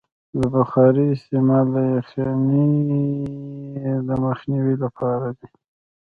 د بخارۍ استعمال د یخنۍ د مخنیوي لپاره دی.